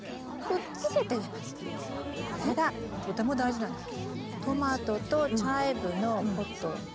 これがとても大事なんです。